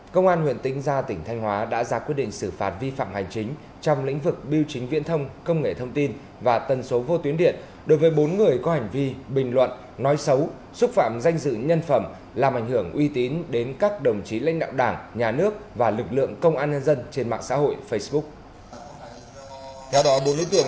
công an huyện tính ra tỉnh thanh hóa đã ra quyết định xử phạt vi phạm hành chính trong lĩnh vực biêu chính viễn thông công nghệ thông tin và tần số vô tuyến điện đối với bốn người có hành vi bình luận nói xấu xúc phạm danh dự nhân phẩm làm ảnh hưởng uy tín đến các đồng chí lãnh đạo đảng nhà nước và lực lượng công an nhân dân trên mạng xã hội facebook